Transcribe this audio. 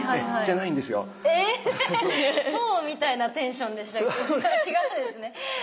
え⁉そうみたいなテンションでしたけど違うんですね。